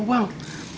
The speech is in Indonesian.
tuh takut sama api